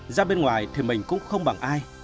ra bên ngoài thì mình cũng không bằng ai